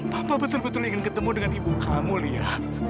papa betul betul ingin ketemu dengan ibu kamu ya